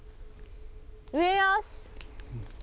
上よし。